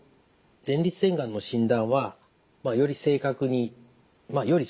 前立腺がんの診断はより正確により早期にですね